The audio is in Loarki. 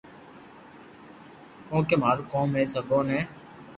ڪونڪہ مارو ڪوم ھي سبو ني